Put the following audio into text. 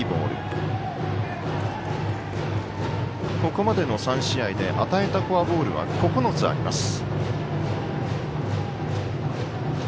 ここまでの３試合で与えたフォアボールは９つあります。